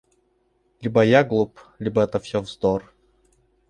Либо я глуп, либо это все - вздор.